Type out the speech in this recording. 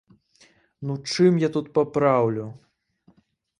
Ну чым я тут папраўлю?!